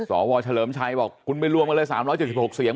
สวเฉริมไชบอกคุณไปล่วมอะไรสามร้อยเจ็ดสิบหกเสียง